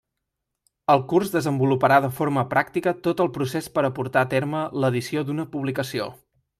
El curs desenvoluparà de forma pràctica tot el procés per a portar a terme l'edició d'una publicació.